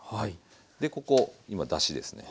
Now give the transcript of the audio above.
でここ今だしですね。